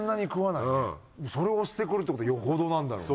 それを推してくるってことはよほどなんだろうね。